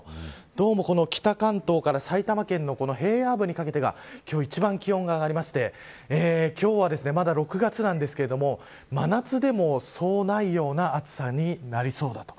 どうも北関東から埼玉県の平野部にかけてが今日一番気温が上がりまして今日は、まだ６月なんですが真夏でもそうないような暑さになりそうだと。